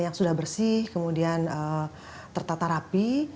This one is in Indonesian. yang sudah bersih kemudian tertata rapi